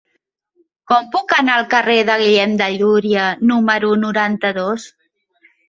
Com puc anar al carrer de Guillem de Llúria número noranta-dos?